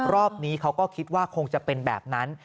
รอบนี้เขาก็คิดว่าคงจะเป็นแบบนั้น